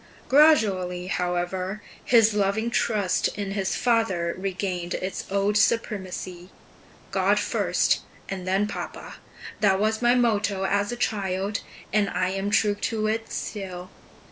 Gradually, however, his loving trust in his father regained its old supremacy. "'God first, and then papa'; that was my motto as a child, and I am true to it still."